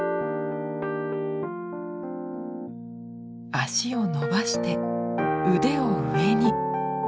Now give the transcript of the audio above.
脚を伸ばして腕を上に。